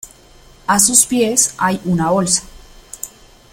A sus pies hay una bolsa.